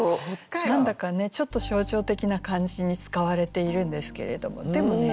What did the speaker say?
何だかねちょっと象徴的な感じに使われているんですけれどもでもね